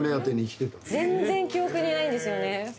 全然記憶にないんですよね。